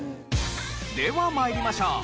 では参りましょう。